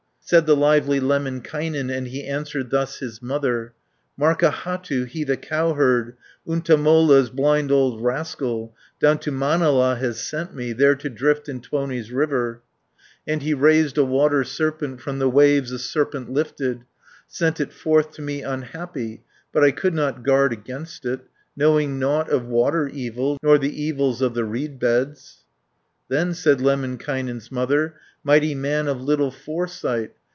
Said the lively Lemminkainen, And he answered thus his mother: "Markahattu, he the cowherd, Untamola's blind old rascal, Down to Manala has sent me, There to drift in Tuoni's river; And he raised a water serpent, From the waves a serpent lifted, 580 Sent it forth to me unhappy, But I could not guard against it, Knowing nought of water evil, Nor the evils of the reed beds." Then said Lemminkainen's mother, "Mighty man of little foresight.